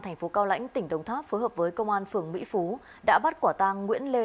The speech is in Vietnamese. thành phố cao lãnh tỉnh đồng tháp phối hợp với công an phường mỹ phú đã bắt quả tang nguyễn lê